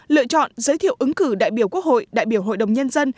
lựa chọn giới thiệu ứng cử đại biểu quốc hội đại biểu hội đồng nhân dân